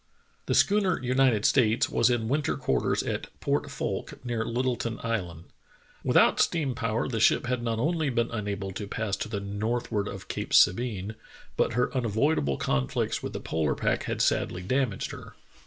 * The schooner United States was in winter quarters at Port Foulke, near Littleton Island. Without steam power, the ship had not only been unable to pass to the northward of Cape Sabine, but her unavoidable con flicts with the polar pack had sadly damaged her.